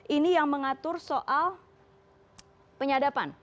ini yang mengatur soal penyadapan